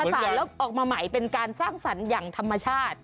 สารแล้วออกมาใหม่เป็นการสร้างสรรค์อย่างธรรมชาติ